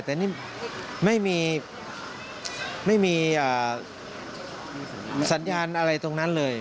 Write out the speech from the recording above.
แต่นี่ไม่มีสัญญาณอะไรตรงนั้นเลย